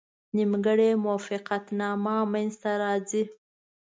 نیمګړې موافقتنامه منځته راځي.